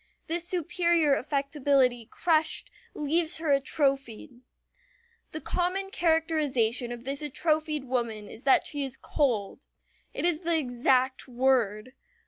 This superior affectability crushed, leaves her atrophied. The common characterization of this atrophied woman is that she is "cold." It is the exact word.